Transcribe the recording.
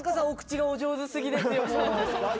お口がお上手すぎですよ。